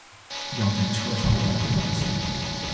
要在车上换上短袖